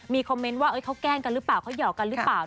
มีคอมเมนต์ว่าเขาแกล้งกันหรือเปล่าเขาหอกกันหรือเปล่า